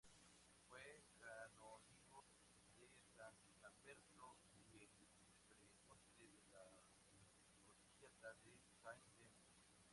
Fue canónigo de san Lamberto y el preboste de la colegiata de Saint-Denis.